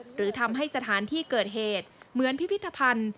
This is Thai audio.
หรือทำให้สถานที่เกิดเหตุเหมือนพิพิธภัณฑ์